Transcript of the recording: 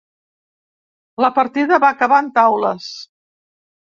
La partida va acabar en taules.